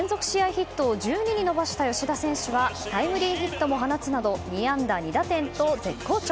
ヒットを１２に伸ばした吉田選手はタイムリーヒットも放つなど２安打２打点と絶好調。